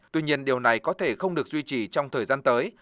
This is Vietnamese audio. tuy nhiên điều này có thể không được duy trì trong thời gian tới